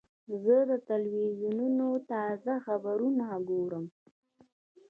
زه د تلویزیون تازه خبرونه ګورم.